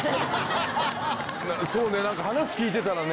そうね話聞いてたら。